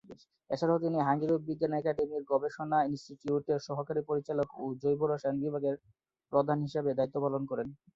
এছাড়াও তিনি হাঙ্গেরীয় বিজ্ঞান একাডেমির গবেষণা ইনস্টিটিউটের সহকারী পরিচালক ও জৈব রসায়ন বিভাগের প্রধান হিসেবে দায়িত্ব পালন করেন।